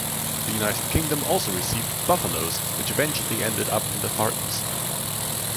The United Kingdom also received Buffalos, which eventually ended up in the Far East.